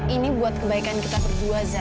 ini buat kebaikan kita berdua za